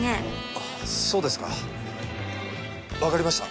あぁそうですか。わかりました。